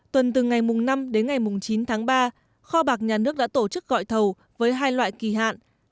tuần từ ngày năm đến ngày chín tháng ba kho bạc nhà nước đã tổ chức gọi thầu với hai loại kỳ hạn